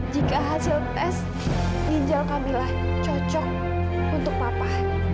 jika hasil tes ginjal kamilah cocok untuk papa